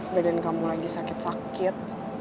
badan kamu lagi sakit sakit